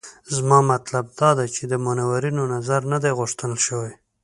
زما مطلب دا دی چې منورینو نظر نه دی غوښتل شوی.